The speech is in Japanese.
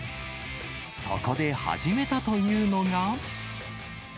そこで始めたというのが。